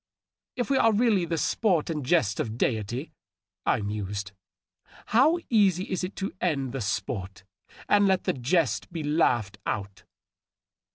" If we are really the sport and jest of deity,^' I mused, " how easy is it to end the sport and let the jest be laughed out